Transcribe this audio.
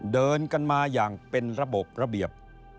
เดินกันมาอย่างเป็นระบบระเบียบ